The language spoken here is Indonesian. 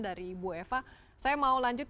dari ibu eva saya mau lanjut